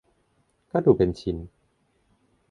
ก็ดูเป็นชิ้น